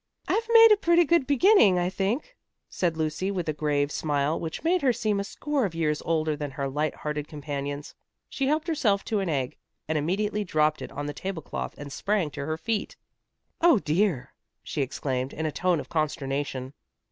"I've made a pretty good beginning, I think," said Lucy with the grave smile which made her seem a score of years older than her light hearted companions. She helped herself to an egg, and immediately dropped it on the table cloth and sprang to her feet. "Oh, dear!" she exclaimed in a tone of consternation.